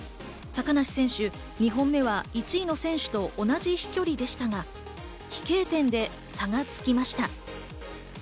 高梨選手、２本目は１位の選手と同じ飛距離でしたが、飛型点で差がつきました。